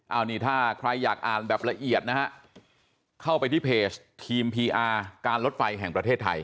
เอานี่ถ้าใครอยากอ่านแบบละเอียดนะฮะเข้าไปที่เพจทีมพีอาร์การรถไฟแห่งประเทศไทย